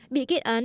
bị kết án